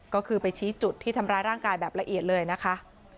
ก็คือไปชี้จุดที่ทำร้ายร่างกายแบบละเอียดเลยนะคะ